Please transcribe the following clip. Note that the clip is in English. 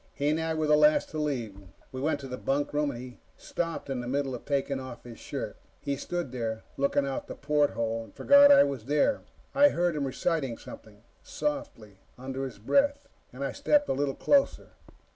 He and I were the last to leave. We went to the bunkroom, and he stopped in the middle of taking off his shirt. He stood there, looking out the porthole, and forgot I was there. I heard him reciting something, softly, under his breath, and I stepped a little closer.